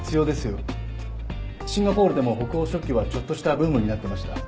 シンガポールでも北欧食器はちょっとしたブームになってました。